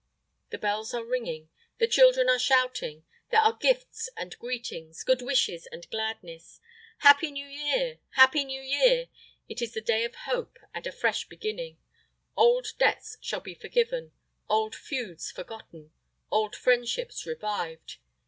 The bells are ringing; the children are shouting; there are gifts and greetings, good wishes and gladness. "Happy New Year! happy New Year!" It is the day of hope and a fresh beginning. Old debts shall be forgiven; old feuds forgotten; old friendships revived.